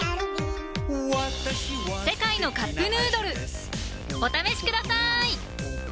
「世界のカップヌードル」お試しください！